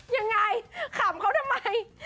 ยังไงขำเขาทำไม